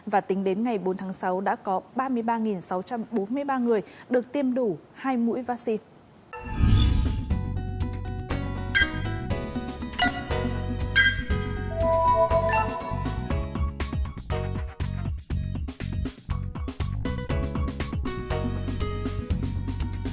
và tính đến ngày bốn tháng sáu đã có ba mươi ba sáu trăm bốn mươi ba người được tiêm đủ hai mũi vaccine